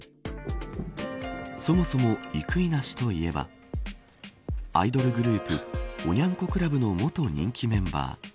そもそも、生稲氏といえばアイドルグループおニャン子クラブの元人気メンバー。